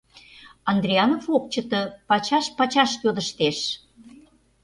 — Андрианов ок чыте, пачаш-пачаш йодыштеш.